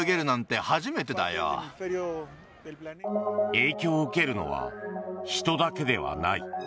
影響を受けるのは人だけではない。